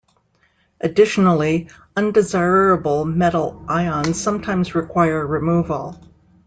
Additionally, undesirable metal ions sometimes require removal.